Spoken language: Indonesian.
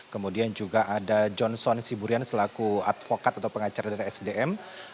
kemudian juga ada johnson siburian selaku advokat atau pengacara dari sdm